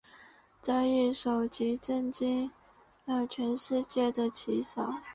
这一手棋震惊了全世界的棋手。